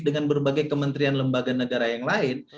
dengan berbagai kementerian lembaga negara yang lain